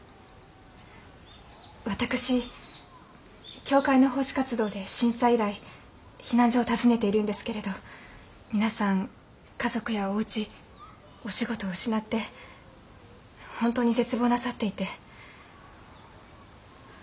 私教会の奉仕活動で震災以来避難所を訪ねているんですけれど皆さん家族やおうちお仕事を失って本当に絶望なさっていて。